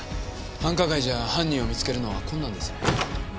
繁華街じゃ犯人を見つけるのは困難です。